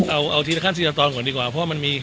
เอาทีละขั้นทีละตอนก่อนดีกว่าเพราะมันมี